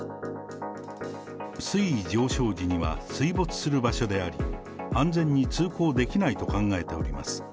水位上昇時には水没する場所であり、安全に通行できないと考えております。